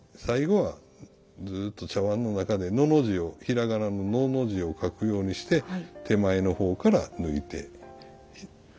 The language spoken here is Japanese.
最後はずっと茶碗の中で「の」の字をひらがなの「の」の字を書くようにして手前の方から抜いて。